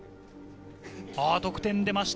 得点が出ました。